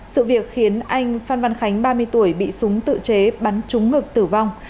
sự việc khiến anh phan văn khánh ba mươi tuổi bị súng tự chế bắn trúng ngực tử vong